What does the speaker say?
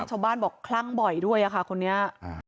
ชาวบ้านบอกคลั่งบ่อยด้วยค่ะคนนี้